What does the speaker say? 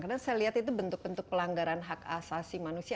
karena saya lihat itu bentuk bentuk pelanggaran hak asasi manusia